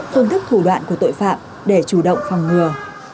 phương thức thủ đoạn của tội phạm để chủ động phòng ngừa